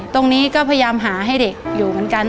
ตรงนี้ก็พยายามหาให้เด็กอยู่เหมือนกัน